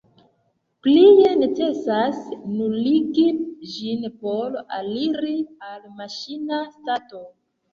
Plie, necesas nuligi ĝin por aliri al maŝina stato.